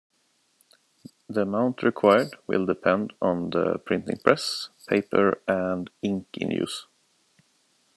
The amount required will depend on the printing press, paper, and ink in use.